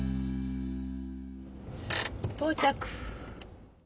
到着！